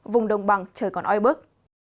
vùng đông băng trời còn oi bức